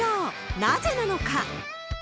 なぜなのか。